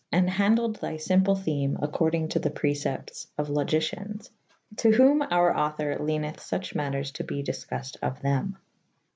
And handelyd thy fymple theme accord ynge to the preceptes of Logeciens / To whome oure author leuith fuche maters to be difcuffyd of them.